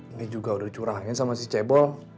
ini juga udah curahin sama si cebong